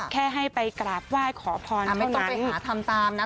แค่ให้ไปกราบไหว้ขอพันธ์เท่านั้น